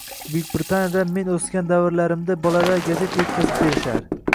Buyuk Britaniyada men oʻsgan davrlarimda bolalar gazeta yetkazib berishar